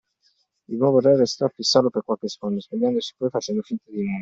Il nuovo re restò a fissarlo per qualche secondo, spogliandosi poi facendo finta di nulla.